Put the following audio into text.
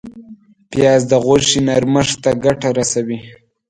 پیاز د غوښې نرمښت ته ګټه رسوي